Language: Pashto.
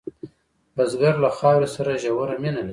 بزګر له خاورې سره ژوره مینه لري